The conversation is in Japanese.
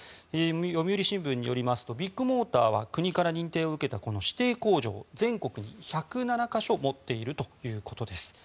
読売新聞によりますとビッグモーターは国から認定を受けた指定工場を全国で１０７か所持っているということです。